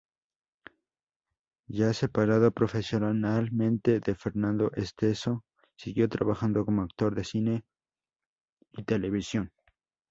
Ya separado profesionalmente de Fernando Esteso, siguió trabajando como actor de cine y televisión.